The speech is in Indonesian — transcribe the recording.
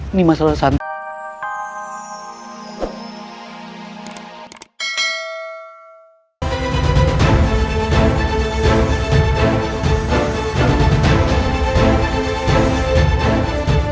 ini masalah santan